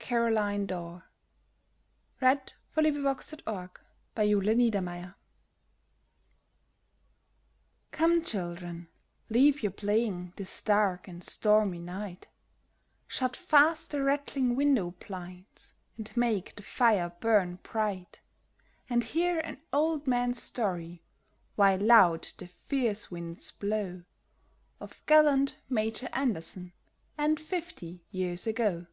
DECEMBER 26, 1910 A BALLAD OF MAJOR ANDERSON Come, children, leave your playing this dark and stormy night, Shut fast the rattling window blinds, and make the fire burn bright ; And hear an old man's story, while loud the fierce winds blow, Of gallant Major Anderson and fifty years ago.